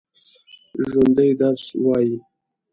ژوندي درس وايي